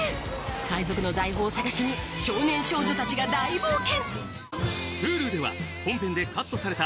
海賊の財宝を探しに少年少女たちが大冒険！